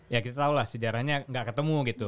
ya kita tau lah sejarahnya gak ketemu gitu